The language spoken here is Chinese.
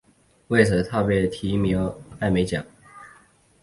为此他被提名艾美奖。